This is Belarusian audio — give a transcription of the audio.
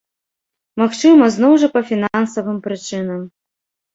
Магчыма, зноў жа па фінансавым прычынам.